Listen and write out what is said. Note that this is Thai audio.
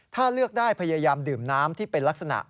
ถ้าเลือกได้พยายามดื่มน้ำที่เป็นลักษณะ